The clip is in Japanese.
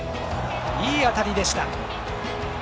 いい当たりでした。